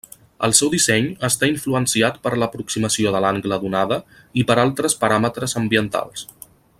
El seu disseny està influenciat per l'aproximació de l'angle d'onada i per altres paràmetres ambientals.